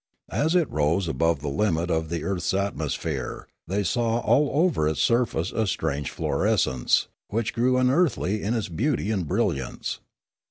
As it rose above the limit of the earth's atmosphere, they saw all over its surface a strange fluorescence, which grew unearthly in its beauty and brilliance.